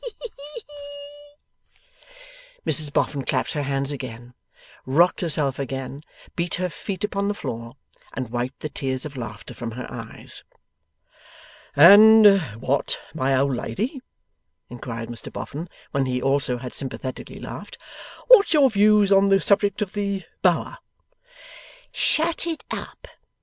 Ha ha ha ha ha!' Mrs Boffin clapped her hands again, rocked herself again, beat her feet upon the floor, and wiped the tears of laughter from her eyes. 'And what, my old lady,' inquired Mr Boffin, when he also had sympathetically laughed: 'what's your views on the subject of the Bower?' 'Shut it up.